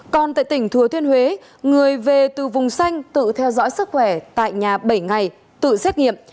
còn tại tỉnh thừa thiên huế người về từ vùng xanh tự theo dõi sức khỏe tại nhà bảy ngày tự xét nghiệm